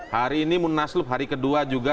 hari ini munaslup hari kedua juga